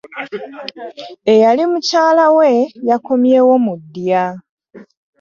Eyali mukyala we yakomyewo mu ddya.